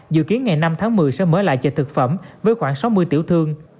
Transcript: dự kiến ngày năm tháng một mươi sẽ mở lại chợ thực phẩm với khoảng sáu mươi tiểu thương